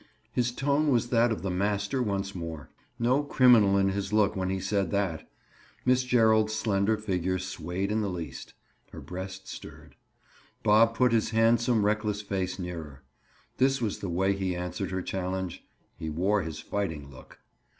His tone was that of the master once more. No criminal in his look when he said that! Miss Gerald's slender figure swayed in the least; her breast stirred. Bob put his handsome reckless face nearer. That was the way he answered her challenge. He wore his fighting look.